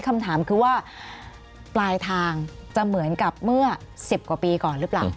คำถามคือว่าปลายทางจะเหมือนกับเมื่อ๑๐กว่าปีก่อนหรือเปล่า